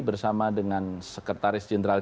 bersama dengan sekretaris jenderal